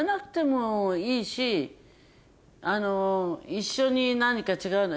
一緒に何か違うの。